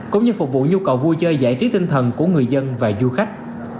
cũng như phục vụ nhu cầu vui chơi giải trí tinh thần của người dân và du khách